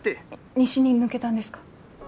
西に抜けたんですか？